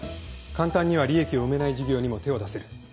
簡単には利益を生めない事業にも手を出せる。